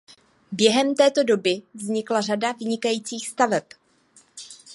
Během této doby vznikla řada vynikajících staveb.